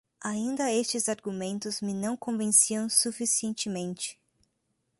Ainda estes argumentos me não convenciam suficientemente